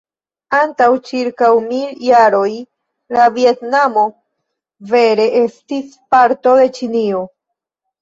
Antaŭ ĉirkaŭ mil jaroj, la Vjetnamo vere estis parto de Ĉinio.